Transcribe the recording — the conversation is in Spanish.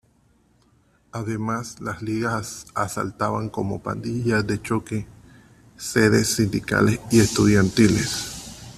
Además las ligas asaltaban, como pandillas de choque, sedes sindicales y estudiantiles.